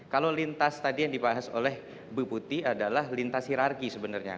kalau lintas tadi yang dibahas oleh bu putih adalah lintas hirargi sebenarnya